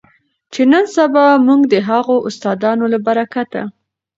چې نن سبا مونږ د هغو استادانو له برکته